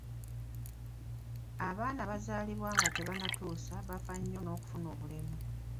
Abaana abazalibwa nga tebannatuusa bafa nnyo n'okufuna obulemu.